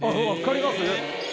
分かります？